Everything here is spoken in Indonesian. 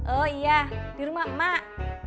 oh iya di rumah mak